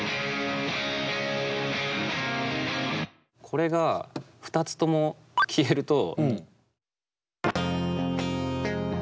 これが２つとも消えると。